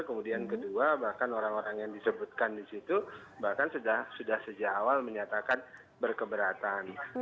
kemudian kedua bahkan orang orang yang disebutkan di situ bahkan sudah sejak awal menyatakan berkeberatan